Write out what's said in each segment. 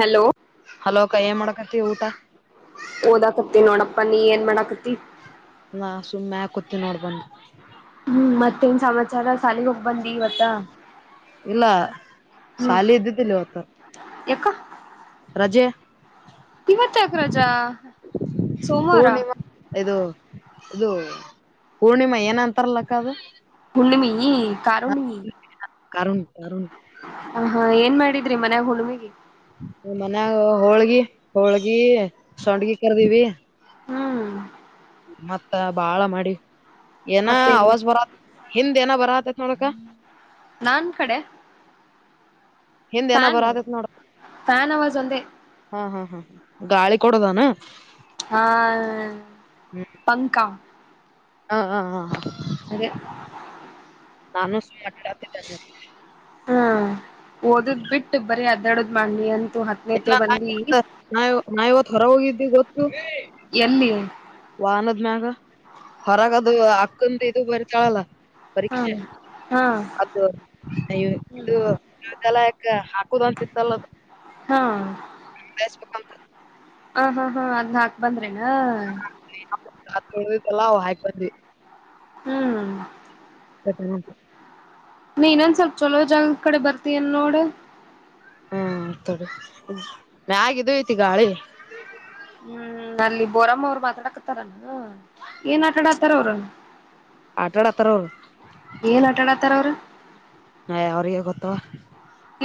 hello hello ಅಕ್ಕ ಏನ್ ಮಾಡಕತಿವಿ ಊಟ ಓದಕತ್ತತಿ ನೋಡಪ್ಪಾ ನೀ ಏನ್ ಮಾಡಾಕತಿ ನಾ ಸುಮ್ಮನೆ ಕೂತಿೀಿ ನೋಡ್ಬಂದ್ ಹ್ಮ್ ಮತ್ತೇನ್ ಸಮಾಚಾರ ಸಾಲಿಗೆ ಹೋಗ ಬಂದಿವತ್ತ ಇಲ್ಲ ಹ್ಮ್ ಶಾಲಿ ಇದ್ದಿದ್ದಿಲ್ಲ ಇವತ್ತು ಎ ರಜೆ ಇವತ್ತಾಕ್ರಜಾ ಸೋಮವಾರ ಪೂರ್ಣಿಮಾ ಇದು ಇದು ಪೂರ್ಣಿಮಾ ಏನಂತಾರಲಕ್ಕ ಅದು ಪುಣ್ಣಿಮಿ ಕರುುಣಿ ಕಾರಣ ತಣ ಹ ಹಾ ಏನ್ ಮಾಡಿದ್ರಿ ಮನ್ಯಾಗ ಹುಳಮೆಗೆ ಮನ್ಯಾಗ ಹೋಳ್ಗಿ ಹೋಳ್ಗಿ ಸಂಡ್ಗಿ ಕರ್ದೀವಿ ಹ್ಮ್ ಮತ್ತ ಬಾಳ ಮಾಡಿ ಏನ ಮತ್ತೇನು ಅವವಾಜ್ ಬರತ್ ಹಿಂದ್ ಏನ ಬರತ್ ಥೋಡಕ ನನ್ ಕಡೆ ಹಿಂದ್ ಏನ ಫ್ಯಾನ್ ಬರತೈತ್ ನೋಡಕ ಫ್ಯಾನ್ ಅವಾಜ್ ಒಂದೇ ಹಾ ಹಾ ಹಾ ಗಾಳಿ ಕೊಡೋದಾನ ಹಾ ಪಂಕಾ ಹಾ ಹ ಹ [inaudible] ಅದ ನಾನು ಸು ಮಾಾಡಾತಿದ್ದ ಹಾ ಓದದ್ ಬಿಟ್ಟು ಬರೀ ಅದಾಡದ್ ಮಾಡನಿ ಅಂತ ಎಲ್ಲ ನಾವ ನಾವ ಇವತ್ತು ಹೊರ ಹೋಗಿದ್ದೆ ಗೊತ್ತು ಎಲ್ಲಿ ವಾಹನದ ಮ್ಯಾಗ ಹೊರಗದು ಅಕ್ಕಂದ ಇದು ಬರಿ ಕಾಳಲ್ಲ ಹ್ಮ ಅದುಯ ಇದು ಕಲ ಯಾಕ ಹಾಕುದಂತ ಇತ್ತಲ್ಲದು ಹಾ ಸ್ಬೇಕುಂತ ಹ ಹಾ ಹಾ ಅದ್ ಹಾಕ್ ಬಂದ್ರೇನಾ ರಾತ್ ತೋಡಲ್ಲ ಹಯ್ತ್ರರಿ ಹ್ಮ್ ತದ ನೀ ಇನೊಂದ ಸ್ವಲ್ಪ ಚೊಲೋ ಜಾಗದ ಕಡೆ ಬರ್ತಯನ್ ನೋಡು ಹ್ಮತೊಡಿ ಮಾಗಿದ ಐತಿ ಗಾಳಿ ಹ್ಮ್ ಅಲ್ಲಿ ಬೋರಮ್ಮ ಅವ್ರು ಮಾತಾಡಕತಾರನಾ ಏನ್ ಆಟಾಡಾತಾರ ಅವ್ರ ಆಟಾಡತಾರ ಅವರು ಏನ್ ಆಟಾಡತಾರ ಅವರು ನ ಅವರಿಗೆಗತ್ತು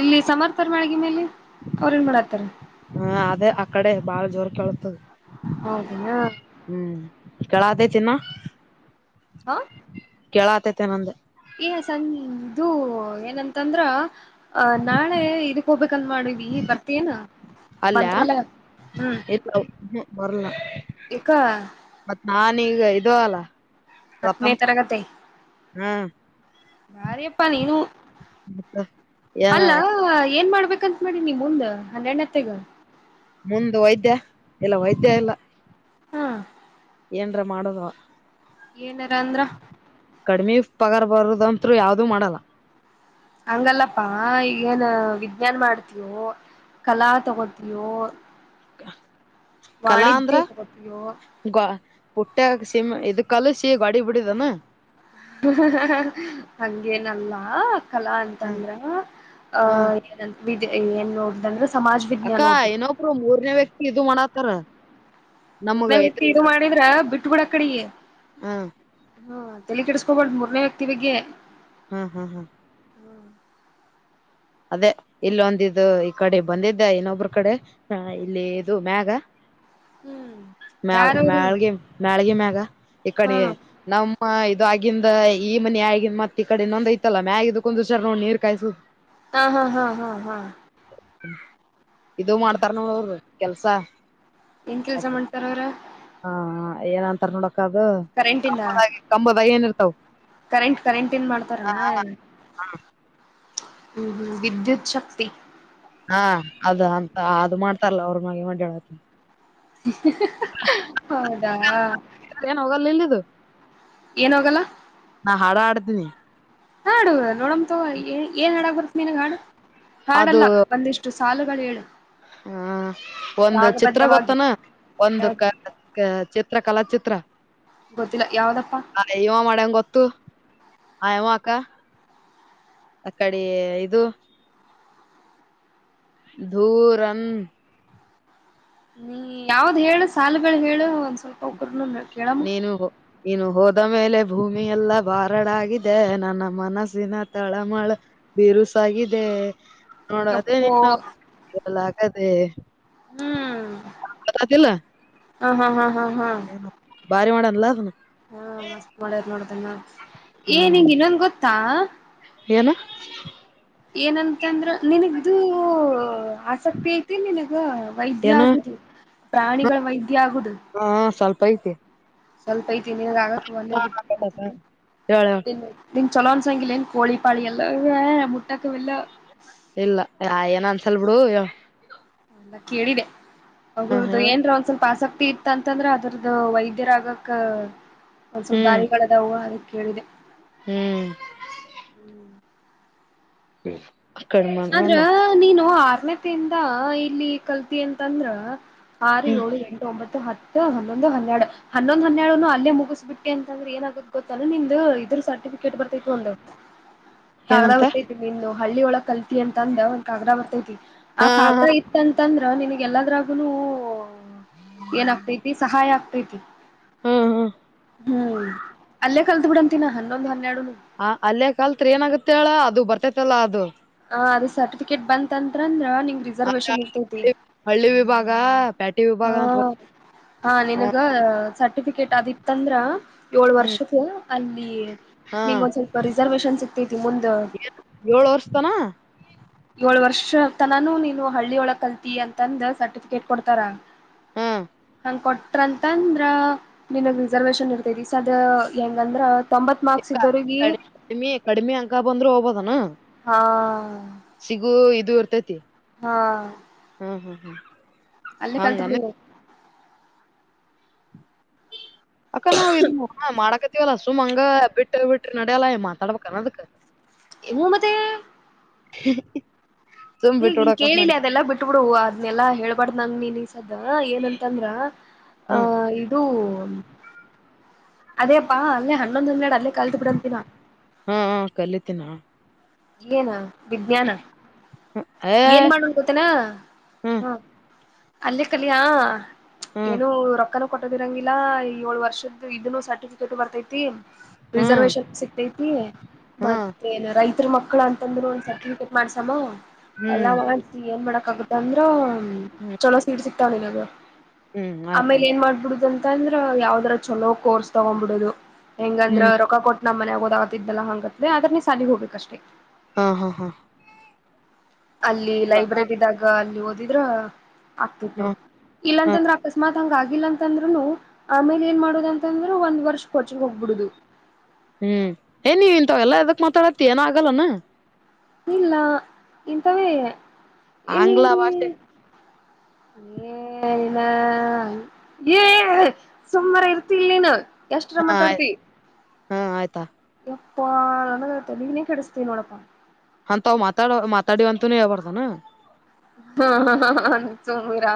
ಇಲ್ಲಿ ಸಮರ್ಥರ್ ಮಳಗ ಮೇಲೆ ಅವ್ರ ಏನ್ ಮಾಡತ್ತಾರ ಹ ಅದೇ ಅಕಡೆ ಬಾಳ ಜೋರ್ ಕಳತದೆ ಹೌದಿನ ಕೆಳ ಆತೈತಿನ ಹಾ ಕೇಳಾತೈತೆ ನಂದ ಈ ಸಂದು ಏನಂತಂದ್ರ ಅ ನಾಳೆ ಇದಕ್ ಹೋಗ್ಬೇಕ ಕನ್ ಮಾಡಿವವಿ ಬರ್ತೇನ ಅಲ್ಲಯ ಮಂತ್ರಾಲಯ ಹ್ಮ್ ಇ ಬರಲ್ಲತ್ ಏಕ ಈಗ ಇದ ಅಲ್ಲ ವ್ರತ ಹತ್ತನೇ ತರಗತಿ ಹಾ ಯಾರಪ್ಪ ನೀನು ಮತ್ತ ಏನ ಅಲ್ಲ ಏನ್ ಮಾಡ ಹಬೇಕಂತ ಮಾಡಿ ನಿಮ ಮುಂದ್ ಹನ್ನೆರ್ನ ಹತ್ತಗ ಒಂದು ವೈದ್ಯ ಇಲ್ಲ ವೈದ್ಯ ಎಲ್ಲ ಹಾ ಏನ್ರ ಮಾಡದ ಏನಾರ ಅಂದ್ರ ಕಡಿಮಿ ಪಗಾರ್ ಬರದಂತರು ಯಾವ್ದೂ ಮಾಡಲ್ಲ ಹಂಗಲ್ಲಪ್ಪಾ ಈಗಏನ್ ವಿಜ್ಞಾನ್ ಮಾಡ್ತವು ಕಲಾ ತೊಗತಿಯೋ ಕಲಾ ಅಂದ್ರ ತಗೋತೀಯೋ ಗ ಪಟ್ಟೆ ಸಮ ಇಕ್ಕಾಲ ಸೀ ಗಡಿ ಬಿಡಿದಾನ ಹಂಗೇನಲ್ಲ ಕಲಾ ಹ ಅಂತಂದ್ರ ಹ ಆಹ ಏನಿದ ಏನ್ ನೋಡ್ದಂದ್ರೆ ಅಕ್ಕ ಏನೊಬ್ರು ಮೂರನೇ ವ್ಯಕ್ತಿ ಇದು ಮಾಡಾತ್ತಾರ ಮೂರ್ನೇ ವ್ಯಕ್ತಿ ಇದು ಮಾಡಿದ್ರ ಬಿಟ್ ಬಿಿಡ ಕಡಿಗೆ ಹಾ ಹ ತಲೆ ಕೆಿಡಸ್ಕೊಬ್ದು ಮೂರನೇ ವ್ಯಕ್ತಿ ಬಗ್ಗೆ ಹಾ ಹಾ ಹಾ ಹ್ಮ್ ಅದೇ ಇಲ್ಲೊಂದಿದ ಈ ಕಡೆ ಬಂದಿದ್ದೆ ಇನ್ನೊಬ್ರ ಕಡೆ ಇಲ್ಲಿ ಇದು ಮ್ಯಾಗ ಹ್ಮ್ ಮ್ಯ ಯಾರವ್ರು ಮ್ಯಾಳ್ಗೆ ಮ್ಯಾಳ್ಗೆ ಮ್ಯಾಗ ಈ ಹಾ ಕಡೆ ನಮ್ಮ ಇದು ಆಗಂದ ಈ ಮನ ಆಗ ಮತ್ತೆ ಈ ಕಡೆ ಇನ್ನೊಂದ ಐತಲ್ಲ ಮ್ಯ ಆಗಿದಕ್ಕೊಂದುಷಾರ್ ನೋ ನೀರ್ ಕಾಯಸುದುದು ಹಾ ಹಾ ಹಾ ಹಾ ಹಾ ಇದದು ಮಾಡ್ತಾರ ನೋಡ ಅವರು ಕೆಲ್ಸ ಏನ್ ಕೆಲ್ಸ ಮಾಡ್ತಾರ ಅವ್ರ ಹಾ ಏನಂತಾರ ನೋಡಕದುದ ಕರೆಂಟಿಂದ ಕಂಬದಾಗಿ ಏನಿರ್ತಾವ ಕರೆಂಟ್ ಕರೆಂಟ್ ಏನ್ ಮಾಡ್ತಾರಣ ಹ್ಮ್ ಹ್ಮ್ ವಿಿದ್ಯುತ್ ಶಕ್ತಿ ಹಾ ಅದ ಅಂತ ಅದು ಮಾಡ್ತಾರಲ್ಲ ಅವ್ರ ಮೆ ಮಾಡ ಹೌದಾ ಏನ್ [inaudible] ಏನೋಗಲ್ಲ ಾ ಹಾಡ ಆಡ್ತೀನಿ ಹಾಡು ನೋಡಮಂತ ಏನ್ ಹಾಡಾಗ ಬರ್ತ್ತ ಮೀನಾಗ ಹಾಡು ಹಾಡಲ್ಲ ಒಂದಿಷ್ಟು ಸಾಲುಗಳೇಳು ಹಾ ಒಂದು ಚಿತ್ರ ರಾಗಬದ್ಧವಾಗಿ ಗೊತ್ತನಾ ಒಂದು ಯಾವ್ದ ಕ ಚಿತ್ರ ಕಲಾ ಚಿತ್ರ ಗೊತ್ತಿಲ್ಲ ಯಾವ್ದಪ್ಪಾ ಹ ಇವ ಮಾಡಡಂ್ ಗೊತ್ತು ಹ ಯವ ಅಕ್ಕ ಅ ಕಡೆ ಇದು ದೂರಂ ಹ್ಮ ಯಾವ್ದ್ ಹೇಳು ಸಾಲುಗಳು ಹೇಳು ಸ್ವಲ್ಪ ಒಕ್ರನು ಕೇಳಮ್ಮ ನೀನು ನೀನು ಹೋದ ಮೇಲೆ ಭೂಮಿಯ ಎಲ್ಲಾ ಬಾರಡ ಆಾಗಿದೆ ನನ್ನ ಮನಸ್ಸಿನ ತಳಮಳ ಬಿರುಸಾಗಿದೆ ನೋಡದೇ ಯಪ್ಪೋ ಎಲ್ಲ ಆಗದೆೇ ಹಾ ಹಾ ಹಾ ಹಾ ಹಾ ಬಾರಿ ಮಾಡ ಅಲ್ಲ ಹಾ ಮಸ್ತ್ ಮಾಡ್ಯರ್ ನೋಡ್ದನ್ನ ಹ್ಮ್ ಏನ್ಿಂಗ ಇನ್ನೊಂದ ಗೊತ್ತಾ [inaudible] ಏನಂತ ಅಂದ್ರೆ ನಿನಗೂ ಆಸಕ್ತಿ ಐತಿ ನಿನಗ ವೈದ್ಯ ಏನ ಆಗುದು ಪ್ರಾಣಿಗಳ ವೈದ್ಯ ಆಗುದು ಹಾ ಸ್ವಲ್ಪ ಐತೆ ಸ್ವಲ್ಪ ಐತಿ ಆಗಕ್ ಒಂದ ಹೇಳ ಚೊಲೋನ್ಸಂಗಿಲಏನ್ ಕಳಿಪಾಳಿ ಎಲ್ಲ ಮುಟ್ಟಕವೆಲ್ಲ ಇಲ್ಲ ಯ ಏನ ಅನ್ಸಲ್ ಬಿಿಡು ಎಲ್ಲ ಕೇಳಿದೆ ಅವದು ಹೇಳ ಏನ್ರ ಒಂದ್ ಸ್ವಲ್ಪ ಪಾಸ್ ಆತ ಇತ್ತ ಅಂತಂದ್ರೆ ಅದ್ರದ್ದ ವೈದ್ಯರಾಗಕ್ ಒಂದಸ ಹ್ಮ್ ದಾರಿಗಳದ ಹೂ ಆಿ ಕೇಳಿದೆ ಹ್ಮ್ ಹ್ಮ ಹ್ಮ್ ಆದ್ರ ನೀನು ಆರನೇತಿಂದ ಇಲ್ಲಿ ಕಲ್ತ ಅಂತಂದ್ರ ಆರು ಏಳು ರಟ ಒಂಬತ್ತು ಹತ್ತು ಹನ್ನೊಂದು ಹನ್ನೆರಡು ಹನ್ನೊಂದು ಹನ್ನೆರಡುನು ಅೇ ಮುಗಿಸ್ಬಿಟ್ಟ ಅಂತಂದ್ರೆ ಏನಾಗುದುದು ಗೊತ್ತ ನಿಮ್ದ ಇದ್ರ ಸರ್ಟಿಫಿಕ ಿಕಟ್ ಬರ್ತೈ ಒಂದ ಕಾಗ ಏನಂತ ಹೊರ್ತೈತಿ ಇನ್ನು ಹಳ್ಳಿ ಒಳಗೆ ಕಲ್ ಅಂತ ಅಂದ್ರೆ ಒಂದ್ ಕಾಗ್ರ ಬರ್ತೈತಿ ಆ ಹಾ ಹಾ ಕಾಗ್ರ ಇತ್ತ ಅಂತಂದ್ರ ನಿನಗೆಲ್ಲದ್ರಾಗು ಏನಾಗಗ್ತೈತಿ ಸಹಾಯ ಆಗ್ತೈತಿ ಹ್ಮ ಹಾ ಹ್ಮ್ ಅಲ್ಲೇ ಕಲ್ತ್ ಬಿಡಂತಿನ ಹನ್ನೊಂದ್ ಹನ್ನೆರಡು ಹ ಅಲ್ಲೇ ಕಲ್ತ್ರ ಏನಾಗತ್ತೆ ಹೇಳ ಅದು ಬರ್ತೇತಲ್ಲಾ ಅದು ಅದ ಸರ್ಟಿಫಿಕೇಟ್ ಬಂತಂತಂದ್ರ ನಿ ರಿಸರ್ವೇಶನ್ ಇರ್ತೇತಿ ಗಾಪ್ ಹಾ ಹಾ ಹ ನನ್ಗ ಸರ್ಟಿಫಿಕೇಟ್ ಅದಿತ್ತಂದ್ರ ಏಳ್ ಹ್ಮ್ ವರ್ಷದ ಅಲ್ಲಿ ಹಾ ನಿಮಂಗ ಒಂದ್ ಸ್ವಲ್ಪ ರಿಸರ್ವೇೇಶನ್ ಸಿಗ್ತೈತಿ ಮುಂದ್ ಏಳು ವರ್ಷತನ ಏಳ ವರ್ಷ ತನಾನೂ ನೀನು ಹಳ್ಳಿ ಒಳ ಕಲ್ತಿ ಅಂತಂದ ಸರ್ಟಿಫಿಕೇಟ್ ಕೊಡ್ತಾರ ಹಾ ಕೊಟ್ರಂತ ಅಂದ್ರ ನಿಿನಗ್ ರಿಸರ್ವೇಶನ್ ಇರ್ತೈತಿ ಸ ಅದ ಹೆಂಗಂದ್ರ ತೊಂಬತ್ ಮಾರ್ಕ್ಸ್ ಇದ್ದವ್ರಗಿ ಕಡಿಮ ಕಡಿಮೆ ಅಂಕ ಬಂದ್ರರು ಹೋಗಬೋದನಾ ಹಾ ಸಿಗು ಇ ಇರ್ತೈತಿ ಹ್ಮ ಹಾ ಹಾ ಹಾ ಅಲ್ಲೇ ಕಲ್ತ್ ಬಿಡಿರ ಹ ಅಕ್ಕ ನಾವ್ ಇದ ಮಾಡಾಕತಿವಲ್ಲ ಸುಮ್ ಹಂಗ ಬಿಟ್ಟ ಬಿಟ್ರಿ ನಡ್ಯಲ್ಲ ಮಾತಾಡ್ಬೇಕನ್ನದಕ್ಕ ಮೂ ಮತ್ತೆ [inaudible] ಸುಮ್ ಬಿಟ್ಟ ಹೇಗ್ ಇಲ್ ಬಿಡಕಂತ ಕೇಳಿಲ್ಲ ಮಾಡಿದ ಅದೆಲ್ಲಾ ಬಿಟ್ಬಿಡು ಅದ್ನೆಲ್ಲಾ ಹೇಳ್ಬಾರ್ದ್ ನಂಗ ನೀನ್ಸದ ಏನಂತಂದ್ರ ಹ್ಮ್ ಅಹ ಇದು ಅದೇಪ್ಪಾ ಅಲ್ಲೇ ಹನ್ನೊಂದ್ ಹನ್ನೆಡು ನ ಕತ ಬಿಡಂತಿನ ಹ್ಮ ಹ್ಮ ಕಲಿತೀನ ಏನ ವಿಜ್ಞಾನ ಹ್ಮ್ ಏ [inaudible] ಏನ್ ಮಾಡೋನ್ ಗೊತ್ತನಾ [inaudible] ಹ್ಮ್ ಹಾ ಅಲ್ಲಿ ಕಲಿಯಾ [inaudible] ಹ್ಮ್ ಏನು ರೊಕ್ಕನ ಕೊಟ್ಟೋದಿರಂಗಿಲ್ಲ ಈ ಏಳು ವರ್ಷದ ಇದನ್ನುನು ಸರ್ಟಿಫಿಕೇಟ್ು ಬರ್ತೈತಿ ಹ್ಮ್ ರಿಸರ್ವೇಶನ್ ಸಿಕ್ತೈತಿ ಹ್ಮ್ ಮತ್ತ ರೈತರ ಮಕ್ಕಳ ಮಕ್ಳ ಅಂತಂದ್ರು ಒಂದ ಸರ್ಟಿಫಿಕೇಟ್ ಮಾಡ್ಸಮ್ಮ ಎಲ್ಲಾ ಹ್ಮ್ ಮಾಡಸ ಏನ್ ಮಾಡಕ್ ಆಗತ್ತ ಅಂದ್ರ ಹ್ಮ್ ಚೊಲೋ ಸೀಡ್ ಸಿಕ್ತಾವ ನಿಿನಗ ಹ್ಮ್ [inaudible] ಆಯ್ತಾ ಆಮೇಲೆ ಏನ್ ಮಾಡ್ಬಿಡುದಂತ ಅಂತಂದ್ರ ಯಾವದರ ಚೊಲೋ ಕೋರ್ಸ್ ತಗೊಂಡ್ಬ ಬಿಡುದು ಹೆಂಗಂದ್ರ ಹ್ಮ್ ರೊಕ್ಕ ಕೊಟ್ಟ ನಮ್ಮ್ನೆ ಆಗೋದಾಗತ್ತ್ದಲ್ಲಾ ಹಂಗತ್ೆ ಅದ್ರನ ಸಾಲಗೆ ಹೋಗಬೇಕಷ್ಟೇ ಹಾ ಹಾ ಹಾ ಅಲ್ಲಿ ಲೈಬ್ರರಿ ಇದಾಗ ಅಲ್ಲಿ ಓದಿದ್ರ ಆಗ್ತಿರ್ ಹ್ಮ್ ನೋಡ್ ಇಲ್ಲಾ ಹಾ ಅಂತಂದ್ರ ಅಕಸ್ಮಾತ್ ಂಗ ಆಗಿಲ್ಲ ಅಂತಂದ್ರುನು ಆಮೇಲೆ ಏನ್ ಮಾಡುದ ಅಂತಂದ್ರರು ಒಂದ್ ವರ್ಷ ಕೋಚಗ್ ಹೋಗ್ಬಿಡುದು ಹ್ಮ್ ಏ ನೀವ ಇನ್ಂತಾಗಲ್ಲ ಅದಕ್ ಮಾತಾಡತಿ ಏನ ಆಗಲ್ಲಾನ ಇಲ್ಲ ಇಂತವೇ ಇನ್ನಿ ಆಂಗ್ಲ ಭಾಷೆ [inaudible] ಏನಾ [inaudible] ಏ ಸುಮ್ಮಾರ ಇರ್ತಿಲ್ ನೀನು ಎಷ್ಟರ ಹಾ ಆಯ್ ಮಾತಾಡ್ತಿವಿ ಹಾ ಆಯ್ತಾ ಅಪ್ಪ ನ ತಲೆನೇ ಕೆಡಸತೀ ನೋಡಪ್ಪ ಅಂತ ಅವ್ ಮಾತಾಡ ಮಾತಾಡಿ ಅಂತನ ಹಳ್ಬಾರ್ದನ ಹ ಹ ಹ ಸುಂದ್ರಾ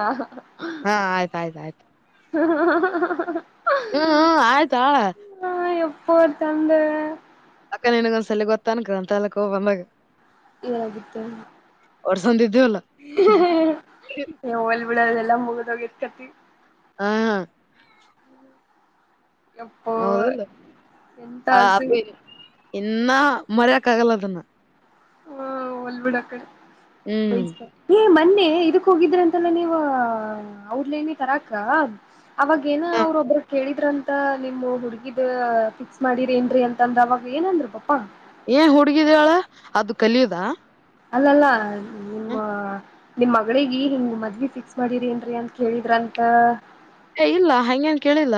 ಹಾ ಆಯ್ತ ಆಯ್ತ ಆಯ್ತು ಹಹ ಹ ಹ ಹ್ಮ್ ಹ್ಮ ಆಯ್ತಾಳ ಪೋರ ತಂದು ಅಕ್ಕ ನನ್ಗೊಂದ್ಸಲ ಗೊತ್ತ ಅನ್ಕದ ಅಂತ ಅಲ್ಲಕ್ ಹೋಗಬ ಮಾಗ ಏನದಕ್ಕೆ ವರ್ಸಂದಿದ್ ಹ ಹ ಹೋಲ್ ಬಿಡ ಎಲ್ಲಾ ಮುಗದೋಗ ಎತ್ಕತಿ ಹಾ ಹಾ ಎಪ್ಪೋ ಹೌದಲ್ಲ ಎಂತ [inaudible] ಹ ಆಸೆ ಇನ್ನ ಮರಿಯಾಕಗಲದನ್ನ ಹ ಒಲ್ಬಡ ಕಡೆ ಹ್ಮ್ ಬತ ಮ ನಂಡೆ ಇದಕ್ ಹೋಗಿದ್ರ ಅಂತೆಲ್ಲ ನೀವು ಔಟ್ಲೀನ್ನಿ ತರಾಕ್ಕ ಅವಾಗ ಏನ ಅವ್ರ ಒಬ್ಬ್ರ ಕೇಳಿದ್ರಂತ ನಿಮಮ್ಮ ಹುಡುಗಿದ ಫಿಕ್ಸ್ ಮಾಡಿರಿ ಏನ್ರರಿ ಅಂತಂದ್ರ ಅವಾಗ ಏನಂದರು ಪಪ್ಪಾ ಏ ಹುಡುಗಿದಾಳ ಅದು ಕಲಿಯುದ ಅಲ್ಲಲ್ಲ ನಿಮ್ಮ ನಿಮ್ ಮಗಳಿಗೆ ಹಿಂಗ ಮದ್ವಿ ಫಿಕ್ಸ್ ಮಾಡಿರಿ ಏನ್ರರಿ ಅಂತ ಕೇಳಿದ್ರ ಅಂತ ಇಲ್ಲ ಹಂಗಗೆನ್ ಕೇಳಿಲ್ಲ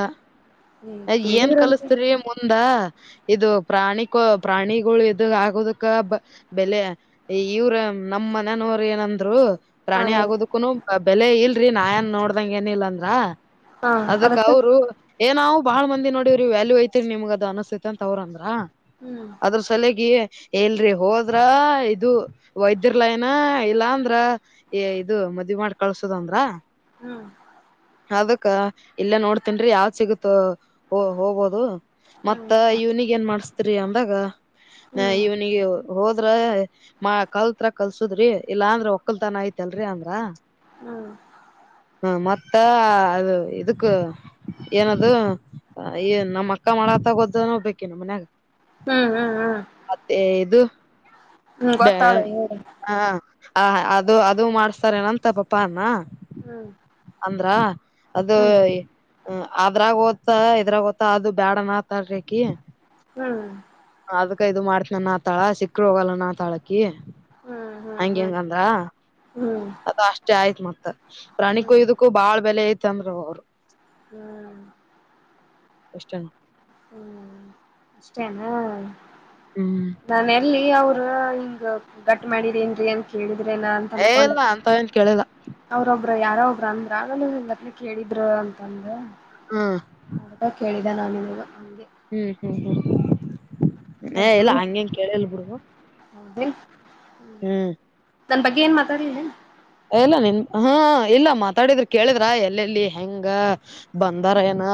[inaudible] ಏನ್ ಕೇಳಿದ್ರಂತೆ ಕಲಸ್ತರಿ ಮುಂದ ಇದು ಪ್ರಾಣಿಿಕ ಪ್ರಾಣಿಗಳು ಇದದು ಆಗೋದಕ್ಕ ಬೆಲೆ ಇವ್ರ ನಮ್ಮ ಮ್ಮನ ನೋರು ಏನಂದ್ರು ಹಾ ಪ್ರಾಣಿ ಏನ್ ಆಗೋದಕ್ಕೂನು ಬೆಲೆ ಇಲ್ರಿ ನಾನ್ ನೋಡ್ದಂಗ ಏನಿಲ್ಲಾಂದ್ರ ಅದಕ್ಕ ಅವರು ಏನಾವ ಬಹಳ ಮಂದಿ ನೋಡ್ರಿ ವ್ಯಾಲ್ಯೂ ಐತಿರಿ ನಿಮ್ಗ ಅದ ಅನಸ್ತೈತಿ ಅಂತ ತವ್ರ ಅಂದ್ರ ಹ್ಮ್ ಅದ್ರ ಸಲಗಿ ಎಲ್ರರಿ ಹೋದ್ರ ಇದು ವೈದ್ಯರ್ ಲ ನ ಇಲ್ಲ ಅಂದ್ರ ಇದು ಮದ ಇ ಮಾಡಿ ಕಳ್ಸದ ಅಂದ್ರ ಹ್ಮ್ [inaudible] ಅದಕ್ಕ ಇಲ್ಲ ನೋಡ್ತನ್ಿ ಯಾವ ಸಿಗುತ್ತ ಹೋಗಬೋದು ಮತ್ತ ಹ್ಮ್ ಇವ್ನಿಿಗೆ ಏನ್ ಮಾಡಸ್ತರಿಿ ಅಂದಾಗ ಹ್ಮ್ [inaudible] ಇವ್ನಿಿಗೆ ಹೋದ್ರ ಮಾ ಕಲ್ತ್ರ ಕಲ್ಸುದ್ರಿ ಇಲ್ಲಾ ಅಂದ್ರ ಒಕ್ಕಲ್ತಾನ ಐತಲ್ರರಿ ಅಂದ್ರ ಹ್ಮ್ ಹ ಮತ್ತ ಅದು ಇದಕ್ಕ ಏನ ಅ ಏನ್ ನಮ್ಮ ಅಕ್ಕ ಮಾಡತ ಗದನ ಬೇಕ ನಮ್ಮ ಮನ್ಯಾಗ ಹ್ಮ್ ಹ್ಮ್ ಹ್ಮ್ ಅದು ಬೇ ಗೊತ್ತಾಳ ಹೇಳಿ ಹಾ ಹ ಅದು ಅದು ಮಾಡ್ಸ್ತಾರೇನ ಅಂತ ಪಪ ಅಾನ ಹ್ಮ್ ಅಂದ್ರ ಅದು ಹ್ಮ್ ಅದ್ರಾಗ ಓದತಾ ಇದ್ರಾಗ ಓದತ್ತಾ ಅದು ಬೇಡ ನತಾಡ್ರಕಿ ಹ್ಮ್ ಅದ್ ಇದು ಮಾಡತ್ನನ್ ಆ ತಾಳ ಸಿಕ್ಕರು ಹೋಗಲ್ಲ ನ ಆ ತಾಳಕ್ಕೆ ಹ್ಮ್ ಹ್ಮ್ ಹಂಗ ಹ್ಮ್ ಹೆಂಗಂದ್ರ ಹ್ಮ್ ಹ್ಮ್ ಹ್ಮ್ ಹ್ಮ್ ಅದು ಅಷ್ಟೇ ಆಯ್ತ್ ಮತ್ತ್ ಪ್ರಾಣಿಿಕೂಯ್ದಕ್ಕೂ ಬಾಳ ಬೆಲೆ ಐತಂದ್ರ ಅವರು ಹ್ಮ್ ಎಷ್ಟಣ ಹ್ಮ್ ಅಷ್ಟೇನಾ ಹ್ಮ್ ನಾನ ಎಲ್ಲಿ ಅವ ಹಿಂಗ ಗಟ್ ಮಾಡಿರಿ ಏನ್ೀ ಅಂತ ಕೇಳಿದ್ರೇನ ಅಂತ ಏ ಅನ್ಕೊಂಡ ಇಲ್ಲ ಅಂತವೇನ್ ಕೇಳಿಲ್ಲ ಅವ್ರೊಬ್ರ ಯಾರ ಒಬ್ಬ್ರ ಅಂದ್ರ ಆಗಲ ಮದಲಿ ಕೇಳಿದ್ರು ಅಂತಂದು ಹಾ ನ ಹ್ಮ್ ಹ್ಮ್ ಹ್ಮ್ ಏ ಅದ್ರ ಇಲ್ಲಾ ಸಂಬಂಧ ಹಂಗಗೆಂಗ ಕೇಳಿಲ್ ಬಿಡು ಹೌದೇನ್ ಹ್ಮ ಹ್ಮ್ ನನ್ ಬಗ್ಗೆ ಏನ್ ಮಾತಾಡ್ಿಲ್ಲ ಎಲ್ಲ ನಿನ್ ಹಾ ಇಲ್ಲ ಮಾತಾಡಿದ್ರ ಕೇಳಿದ್ರ ಎಲ್ಲೆಲ್ಲಿ ಹೆಂಗ ಬಂದಾರ ಏನ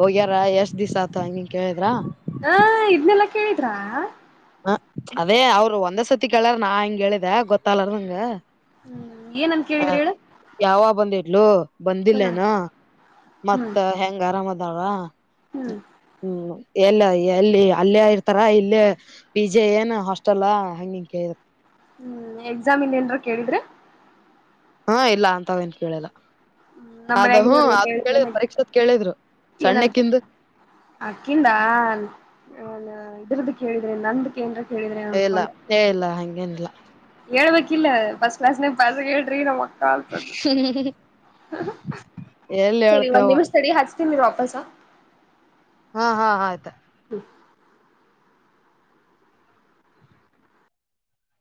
ಹೋಗ್ಯಾರ ಎಷ್ಟ್ ದಿವ್ ಆತ ಹನ್ ಕೇಳಿದ್ರ ಹಾ ಇದನೆಲ್ಲಾ ಕೇಳಿದ್ರಾ ಹ ಅದೇ ಅವ್ರು ಒಂದ್ ಸರ್ತಿ ಕೇಳಾರ ನಾ ಹಿಂಗ ಹೇಳಿದೆ ಗೊತ್ತಲ್ಲರ ನಂಗ ಹ್ಮ್ ಏನಂತ ಹ ಕೇಳಿದ್ರಿ ಹೇಳು ಯಾವ ಬಂದಿಟ್ಲು ಹ್ಮ್ ಬಂದಿಲ್ಲೇನ ಹ್ಮ್ ಮತ್ತ ಹೆಂಗ ಆರಾಮದ ಾವ ಹ್ಮ್ ಹ್ಮ್ ಎಲ್ಲ ಎಲ್ಲಿ ಅಲ್ಲೇ ಇರ್ತಾರ ಇಲ್ಲೇ ಪಿಜೆ ಏನ್ ಹಾಸ್ಟೆಲ್ ಹಂಗಂಗ ಹ್ಮ್ ಎಕ್ಸಾಮ್ ಇನ್ೇನ್ರ ಕೇಳಿದ್ರೆ ಹಾ ಇಲ್ಲ ಅಂತ ಅವನ್ ಕೇಳಲ್ಲ ಅದು ಹ್ಮ ಅದು ಕೇಳ ಪರೀಕ್ಷತ್ ಕೇಳಿದ ಏನನ್ ಅಕ್ಕಿಂದ ಇದ ಕೇಳಿದ್ರೆ ನಂದು ಕೇಂದ್ರಕ್ಕೆ ಇಲ್ಲಾ ಹೇಳಲ್ಲಾ ಹಂಗೇನಿಲ್ಲ ಹೇಳ್ಬೇಕಿಲ್ಲ ಫಸ್ಟ್ ಕ್ಲಾಸ್ ನ ಪ ಹೇಳ್ರಿ ನಮ್ಮ ಎಲ್ಲಿ ಸರಿ ಒಂದ್ ಹೇಳ್ತೇವ ನಿಮಿಷ ತ ಹ ರು ವಾಪಸಾ ಹಾ ಹಾ ಆಯ್ತಾ ಹ್ಮ